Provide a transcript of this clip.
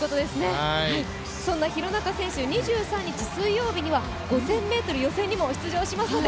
そんな廣中選手、２３日水曜日には５０００ｍにも出場しますので。